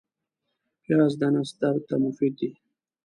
پیاز د نس درد ته مفید دی